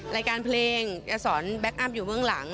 รายการเพลงจะสอนแบ็คอัพอยู่เบื้องหลัง